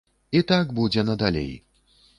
І так будзе надалей.